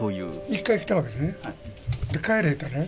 一回来たわけですね。